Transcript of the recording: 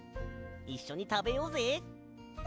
いっしょにたべようぜ。